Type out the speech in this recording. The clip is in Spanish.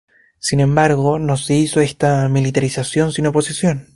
Sin embargo, no se hizo esta militarización sin oposición.